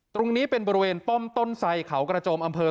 ตรงนี้เป็นบริเวณป้อมต้นไสเขากระโจมอำเภอ